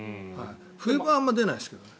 冬場はあんまり出ないですけどね。